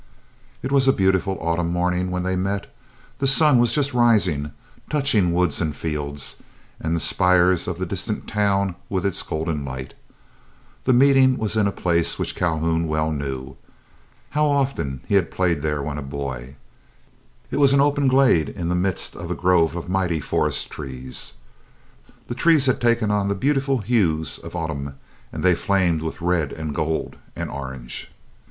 It was a beautiful autumn morning when they met. The sun was just rising, touching woods, and fields, and the spires of the distant town with its golden light. The meeting was in a place which Calhoun well knew. How often he had played there when a boy! It was an open glade in the midst of a grove of mighty forest trees. The trees had taken on the beautiful hues of autumn, and they flamed with red and gold and orange.